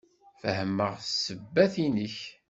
Fehmeɣ ssebbat-inek.